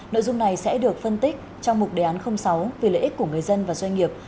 nội dung này sẽ được phân tích trong mục đề án sáu vì lợi ích của người dân và doanh nghiệp